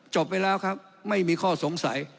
จบไปแล้วครับไม่มีข้อสงสัย